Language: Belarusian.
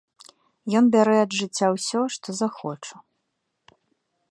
Ён бярэ ад жыцця ўсё, што захоча.